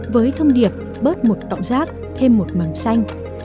với thông điệp bớt một cọng rác thêm một mầm xanh